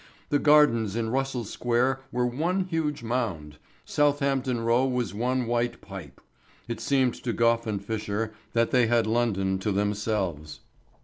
The gardens in Russell Square were one huge mound, Southampton Row was one white pipe. It seemed to Gough and Fisher that they had London to themselves.